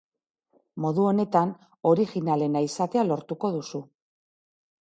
Modu honetan, originalena izatea lortuko duzu.